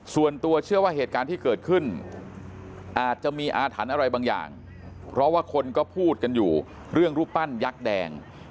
ส่วนตัวเชื่อว่าเหตุการณ์ที่เกิดขึ้นอาจจะมีอาถรรพ์อะไรบางอย่างเพราะว่าคนก็พูดกันอยู่เรื่องรูปปั้นยักษ์แดง